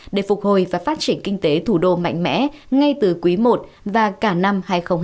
để phục hồi và phát triển kinh tế thủ đô mạnh mẽ ngay từ quý i và cả năm hai nghìn hai mươi